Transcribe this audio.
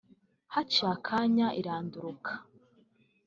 haciye akanya iranduruka